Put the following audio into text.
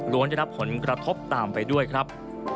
ได้รับผลกระทบตามไปด้วยครับ